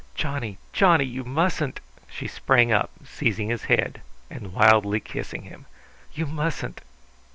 "Johnny, Johnny, you mustn't!" She sprang up, seizing his head and wildly kissing him. "You mustn't!